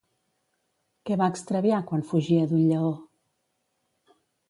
Què va extraviar quan fugia d'un lleó?